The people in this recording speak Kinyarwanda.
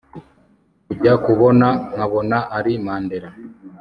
kujya kubona nkabona ari Mandela